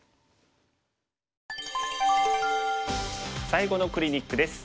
最後のクリニックです。